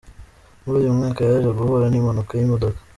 Muri uyu mwaka yaje guhura n’impanuka y’imodoka.